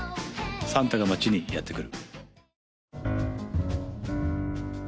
「サンタが街にやってくる」